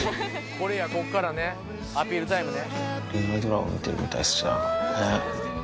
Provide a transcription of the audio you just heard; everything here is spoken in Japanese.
これやこっからねアピールタイムね。